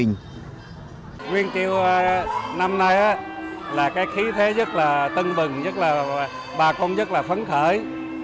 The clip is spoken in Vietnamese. nguyên tiêu năm nay là cái khí thế rất là tân bừng rất là bà con rất là phấn khởi